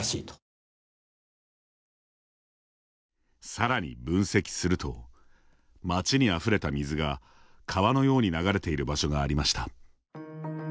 さらに、分析すると街にあふれた水が川のように流れている場所がありました。